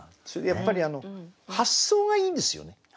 やっぱり発想がいいんですよね。